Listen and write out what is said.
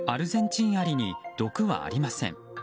アルゼンチンアリに毒はありません。